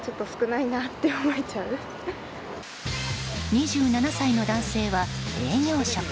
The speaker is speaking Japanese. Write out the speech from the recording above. ２７歳の男性は営業職。